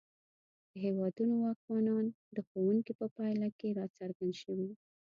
د هېوادونو واکمنان د ښوونکي په پایله کې راڅرګند شوي.